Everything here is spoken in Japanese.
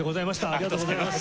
ありがとうございます。